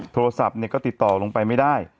โทรศัพท์ก็ติดต่อลงไปไม่ได้